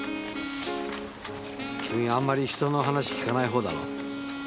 君あんまり人の話聞かない方だろ？